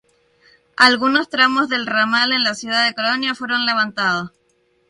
Algunos tramos del ramal en la ciudad de Colonia fueron levantados.